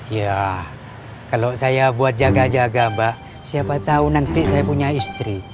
ya kalau saya buat jaga jaga mbak siapa tahu nanti saya punya istri